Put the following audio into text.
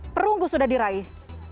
perunggu sudah diraih